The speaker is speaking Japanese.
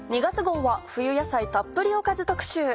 ２月号は冬野菜たっぷりおかず特集。